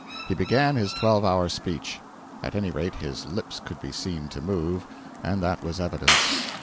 He began his twelve hour speech. At any rate, his lips could be seen to move, and that was evidence.